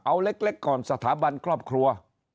เอาเล็กก่อนสถาบันครอบครัว